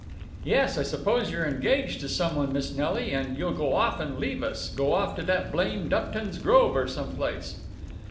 "Yes, I suppose you're engaged to some one, Miss Nelly, and you'll go off and leave us—go off to that blamed Upton's Grove or some place."